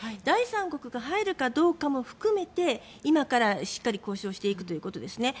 第三国が入るかどうかも含めて今からしっかり交渉していくということです。